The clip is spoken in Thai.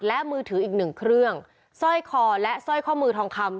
และมือถืออีกหนึ่งเครื่องสร้อยคอและสร้อยข้อมือทองคำ